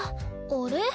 あれ？